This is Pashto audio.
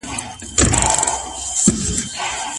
خلک به په دې اړه پوهېږي.